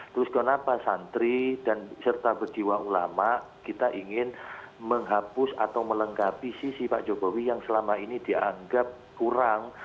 terus kenapa santri dan serta berjiwa ulama kita ingin menghapus atau melengkapi sisi pak jokowi yang selama ini dianggap kurang